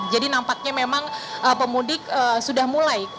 nampaknya memang pemudik sudah mulai